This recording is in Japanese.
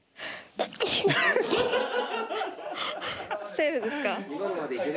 セーフですか？